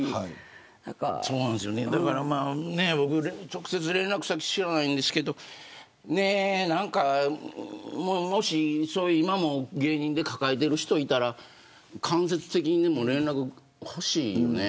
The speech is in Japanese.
直接、連絡先、知らないですがもし今も芸人で抱えている人がいたら間接的にでも連絡ほしいよね。